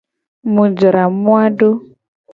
Mu jra moa do.